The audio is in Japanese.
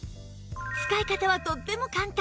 使い方はとっても簡単